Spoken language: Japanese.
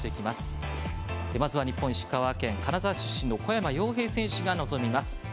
まずは日本、石川県金沢市出身の小山陽平選手が臨みます。